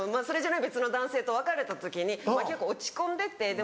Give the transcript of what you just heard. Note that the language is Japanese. それじゃない別の男性と別れた時に結構落ち込んでて。